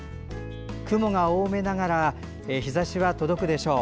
雲が多めながら日ざしは届くでしょう。